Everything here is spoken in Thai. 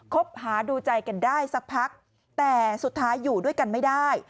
คบหาดูใจกันได้สักพักแต่สุดท้ายอยู่ด้วยกันไม่ได้